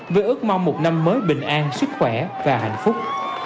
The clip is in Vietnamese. với ước mong một năm mới bình an sức khỏe và hạnh phúc